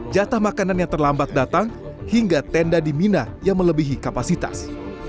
jatah makanan yang terlambat datang hingga tenda di mina yang melebihi kapasitas